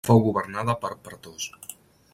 Fou governada per pretors.